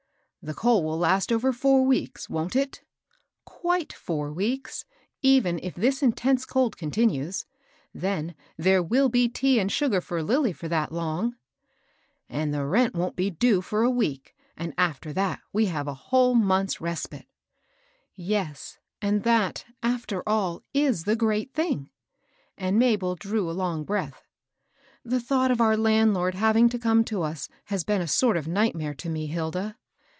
"The coal will last over four weeks, wont it?" " Quite four weeks, even if this intense cold continues. Then there will be tea and sugar for Lilly for that long." "And the rent wont be due for a week, and after that we have a whole month's respite." Yes ; and that, after all, is the great thing ;" and Mabel drew a long breath. The thought of our landlord having to come to us has been a sort of nightmare to me, Hilda."